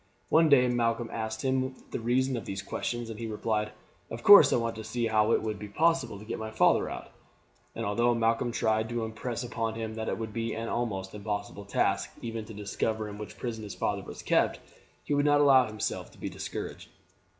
One day Malcolm asked him the reason of these questions, and he replied, "Of course I want to see how it will be possible to get my father out." And although Malcolm tried to impress upon him that it would be an almost impossible task even to discover in which prison his father was kept, he would not allow himself to be discouraged.